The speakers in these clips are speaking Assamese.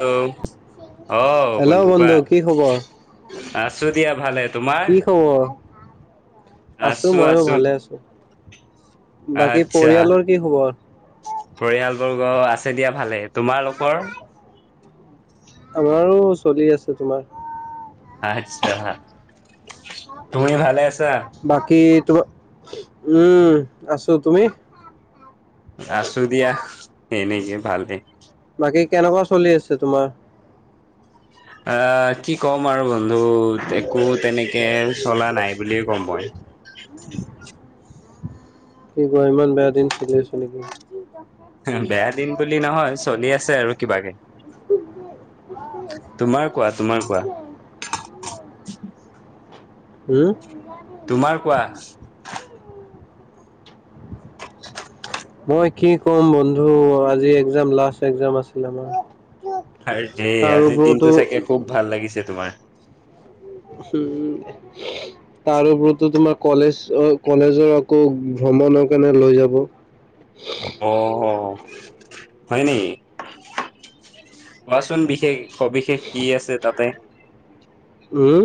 হেল্ল' অ হেল্ল' বন্ধু কোৱা কি খবৰ? আছো দিয়া ভালে। তোমাৰ কি খবৰ? আছো ময়ো ভালে আছো, বাকী পৰিয়ালৰ কি খবৰ? পৰিয়ালবৰ্গ আছে দিয়া ভালে, তোমালোকৰ? আমাৰো চলি আছে তোমাৰ। আচ্ছা তুমি ভালে আছ বাকী তোমাৰ উম আছো তুমি? আছো দিয়া তেনকে ভাল দে বাকী কেনেকুৱা চলি আছে তোমাৰ? অ কি ক'ম আৰু বন্ধু একো তেনেকে চলা নাই বুলিয়ে ক'ম মই। কি ক, ইমান বেয়া দিন চলি আছ নেকি? বেয়া দিন বুলি নহয়, চলি আছে আৰু কিবাকে। তোমাৰ কোৱা তোমাৰ কোৱা [unintelligible] হম তোমাৰ কোৱা? মই কি ক'ম বন্ধু আজি একাম লাছ একজাম আছিল আমাৰ। হাৰে তাৰ আজিৰ ওপৰতো দিনটো চাগে খুব ভাল লাগিছে তোমাৰ। উ তাৰ ওপৰতৰতো তোমাৰ কলেজ অ কলেজৰ আকৌ ভ্ৰমণৰ -ণে লৈ যাব। অ অ হয় নেকি কোৱাচোন বিশেষ সবিশেষ কি আছে তাতে? উম।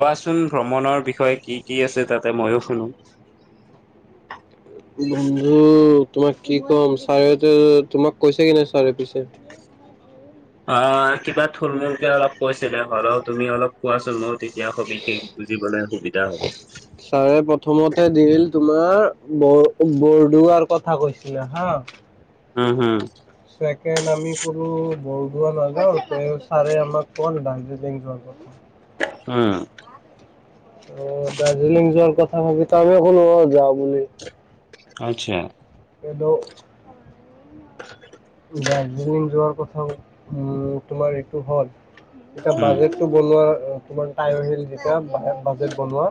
কবাচোন ভ্ৰমণৰ বিষয়ে কি কি আছে তাতে? ময়ো শুনো। বন্ধু তোমাক কি ক'ম ছাৰেটো তোমাক কৈছে কি নাই ছাৰে পিছে অ কিবা থুলমূুলক অলপ কৈছিলে হল তুমি অলপ কোৱাচোন মোক। তেতিয়া সবিষেশ বুজিবলৈ সুবিধা হ'ব। ছাৰে প্ৰথমতে দিল তোমাৰ ব-বৰদোৱাৰ দোৱাৰ কথা কৈছিলা হা, উম হু চেকেণ্ড আমি কোনো বৰদোৱা নাযাওঁ ছাৰে আমাক দাৰ্জিলিং যোৱাৰ কথা। উম। অ দাৰ্জিলিং যোৱাৰ কথা ভাবি তো আমি কো যাওঁ। আচ্ছা [unintelligible] দাৰ্জিলিং যোৱাৰ কথা তোমাৰ এইটো হ'ল এতিয়া উম বাজেটটো বনোৱাৰ কিমান টাইম আহিল যেতিয়া বাজেট বনোৱা?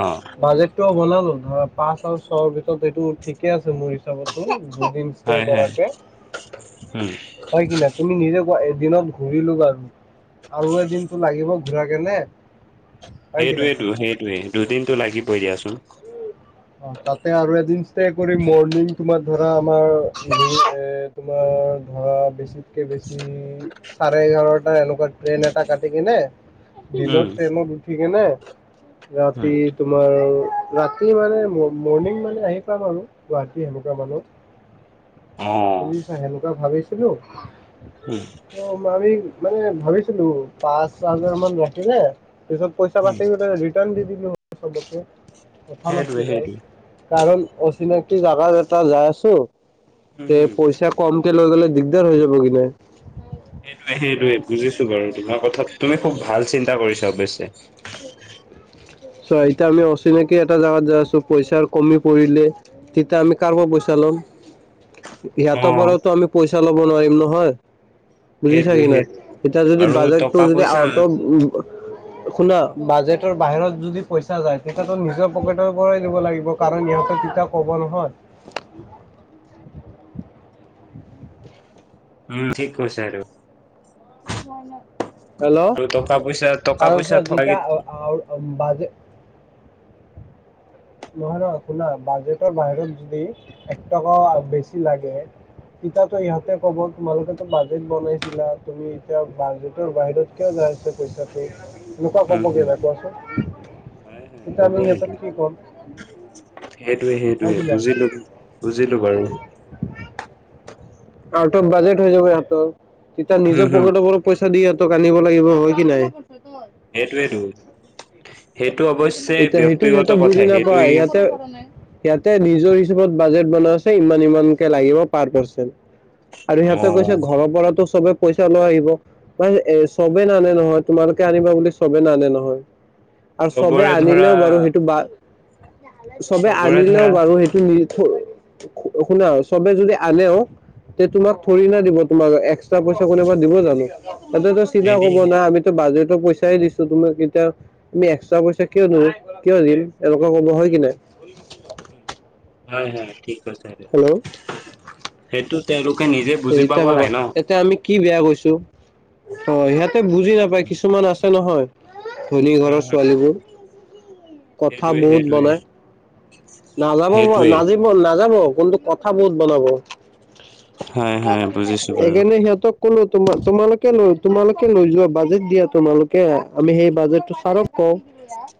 অ বাজেটটো বনালো, ধৰা পাঁচ আৰু ছয়ৰ ভিতৰত এইটো ঠিকে আছে মোৰ হিচাপতো দুদিন ষ্টে হয় হয় কৰাকে উম হয় কি না তুমি নিজে ক এদিনত ঘূৰিলো লবা আৰু এদিনতটো লাগিব ঘূৰাক কেনে হয় কি নাই সেইটোৱেইটো সেইটোৱেই দুদিনটো লাগিবই দিয়াচোন। অ তাতে আৰু এদিন কৰি মৰ্ণিং তোমাৰ ধৰা আমাৰ এ তোমাৰ ধৰা বেছিতকে চাৰে এঘাৰটা এনেকুৱা ট্ৰেইন এটা কাটি কিনে উম দিনত ট্ৰেইনো উঠিকেনে উম ৰাতি তোমাৰ ৰাতি মানে মৰ্ণিং মানে আহি পাম আৰু গুৱাহাটী সেনেকুৱা মানুহ অ বুজিছা সেনেকুৱা ভাবিছিলোঁ উম আমি মানে ভাবিছিলোঁ পাঁচ হাজাৰ মান ৰাখিলে পিছত পইচা উম বাছিলে ৰিটাৰ্ণ দি দিলো চবক কথা সেইটোৱে নাছিল বাৰু সেইটোৱে কাৰণ অচিনাকি জাগাত এটা যাই আছো উম তে হম পইচা কম লৈ গ'লে দিগদাৰ হৈ যাব কি নাই সেইটোৱে সেইটোৱে বুজিছো বাৰু তোমাৰ কথা তুমি খুব ভাল চিন্তা কৰিছা অৱশ্যে চ এতিয়া আমি অচিনাকি এটা জাগাত যাই আছো পইচাৰ কমি পৰিলে তেতিয়া আমি কাৰ পৰা পইচা ল'ম? অ সিহঁতৰ পৰাওতো আমি পইচা লব নোৱাৰিম নহয়। বুজিছা সেইটোৱে কি নাই, সেইটোৱে এতিয়া যদি আৰু বাজেটটো টকা যদি পইচা আউট অফ শুনা বাজেটৰ বাহিৰত যদি পইচা যায় তেতিয়াতো নিজৰ পকেটৰ পৰাই দিব লাগিব কাৰণ ইহঁতৰ তেতিয়া ক'ব নহয় [inaudible] উম থিক কৈছা এইটো। হেল্ল' টকা পইচা টকা কাৰণ পইচা চোৱা থকা কেই যেতিয়া [unintelligible] বাজে নহয় নহয় শুনা বাজেটৰ বাহিৰত যদি এক টকা বেছি লাগে তিতাতো ইহঁতে কব তোমালোকেতো বাজেট বনাইছিলা তুমি এতিয়া বাজেটৰ বাহিৰত কিয় পইচাটো এনেকুৱা উম কবগৈ হম ন কোৱাচোন, হয় হয় তেতিয়া ক'ব আমি সেইটো সিহঁতক কি ক'ম? সেইটোৱে হয় সেইটোৱে কি নাই বুজিলো বুজিলো বাৰু। আউট অফ বাজেট হৈ যাব সিহঁতৰ তেতিয়া হম নিজৰ হম পকেটৰ ওপৰত পইচা দি ইত আনিব লাগিব, হয় কি নাই? সেইটোৱেটো। এতিয়া সেইটো ব্যক্তিগত সিহঁতে কথা বুজি সেইটো নাপায় ইহঁতে সিহঁতে নিজৰ বাজেট বনাই আছে ইমান ইমানকে লাগিব পাৰ পাৰ্চন। আৰু অ সিহঁতে কৈছে ঘৰৰ পৰাতো চবে পইচা লৈ আহিব ম এ চবেই নানে নহয়। তোমালোকে আনিবা বুলি চবে নানে নহয় আৰু চবে চবৰে ধৰা আনিলেও বাৰু সেইটো বা চবে চবৰে আনিলেও ধৰা বাৰু সেইটো নি থ শুনা চবে যদি আনেও তে তোমাক থৰি না দিব তোমাক এক্সট্ৰা পইচা কোনোবা দিব জানো? সিহঁতেতো চিধা কব নিদিয়ে না আমিতো বাজেটৰ পইচাই দিছো তুমি এতিয়াই আমি, এক্সট্ৰা পইচা কিয় দিম, কিয় দিম, এনেকুৱা ক'ব, হয় কিনে। হয়, হয়! ঠিক কৈছে, সেইটো। হেল্ল' সেইটো, তেওঁলোক সেইটো ভাবা? এতিয়া, আমি কি বেয়া কৰিছোঁ। অ'! সিহঁতে বুজি নাপায়, কিছুমান আছে নহয়! ধনী ঘৰৰ ছোৱালীবোৰ। কথা সেইটোৱে বহুত সেইটোৱে বনাই। নাযাব, সেইটোৱে নাযিব, নাযাব, কিন্তু, কথা বহুত বনাব। [unintelligible] হয় হয় বুজিছো বাৰু সেইকাৰণে, সিহঁতক ক'লো, তোমা-তোমালোকে লৈ তোমালোকে, লৈ যোৱা। বাজেট দিয়া তোমালোকে, আমি সেই বাজেটটো, ছাৰক কওঁ!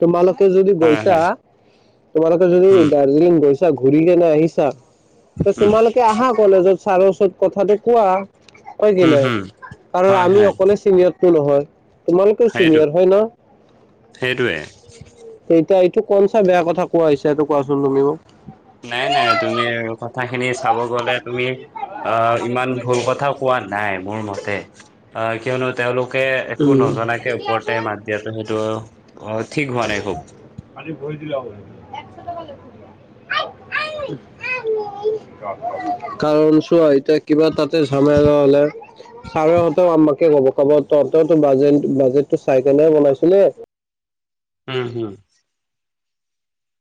তোমালোক যদি হয় গৈছা, হয় তোমালোকে যদি, উম দাৰ্জিলিং গৈছা, ঘূৰি কেনে আহিছা, ত' উম, তোমালোকে আহা, কলেজত? ছাৰৰ ওচৰত কথাটো কোৱা। হয় কি হুম, নাই? হুম, কাৰণ, হয়, আমি হয়, অকলে, চিনিয়ৰটো নহয়। তোমালোকেও সেইটো চিনিয়ৰ হয় ন'? সেইটোৱে। [unintelligible] এ, এইটো কনচা বেয়া কথা কোৱা হৈছে, এইটো কোৱাচোন তুমি মোক? নাই, নাই, তুমি কথাখিনি চাব গ'লে তুমি, অ' ইমান ভুল কথা কোৱা নাই, মোৰ মতে। অ'! কিয়নো, তেওঁলোকে একো উম নজনাকে, ওপৰতে মাত দিয়াটো, সেইটো [unintelligible] খুব। [unintelligible] পানীত ভৰি দিলে হ'ব। একশ টকা লৈ [unintelligible] কাৰণ, চোৱা? এতিয়া, কিবা তাতে, ঝেমেলা হ'লে ছাৰেহঁতেও আমাকে ক'ব! ক'ব তহঁতৰতো বাজেট, বাজেটটো চাই কেনে বনাইছোঁ, দেই। উম, হোঁ!